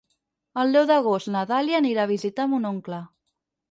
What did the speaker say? El deu d'agost na Dàlia anirà a visitar mon oncle.